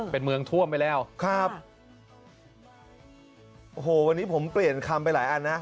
เป็นเมืองท่วมไปแล้วครับโอ้โหวันนี้ผมเปลี่ยนคำไปหลายอันนะ